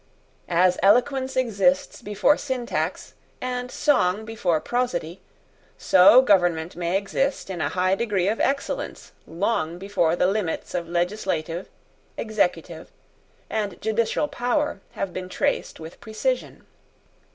As eloquence exists before syntax, and song before prosody, so government may exist in a high degree of excellence long before the limits of legislative, executive, and judicial power have been traced with precision.